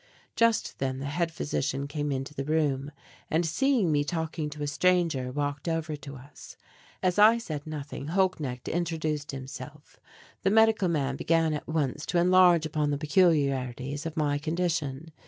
Just then the head physician came into the room and seeing me talking to a stranger walked over to us. As I said nothing, Holknecht introduced himself. The medical man began at once to enlarge upon the peculiarities of my condition.